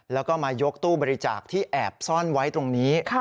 แล้วก็มายกตู้บริจาคที่แอบซ่อนไว้ตรงนี้